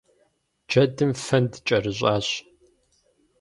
Джэдым фэнд кӀэрыщӀащ.